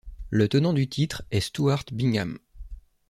Le tenant du titre est Stuart Bingham.